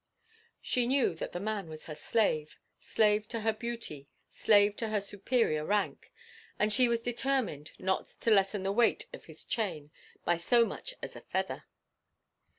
She knew that the man was her slave slave to her beauty, slave to her superior rank and she was determined not to lessen the weight of his chain by so much as a feather.